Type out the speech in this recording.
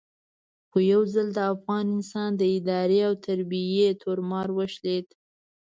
خو یو ځل د افغان انسان د ادارې او تربیې تومار وشلېد.